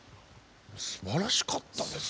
すばらしかったです。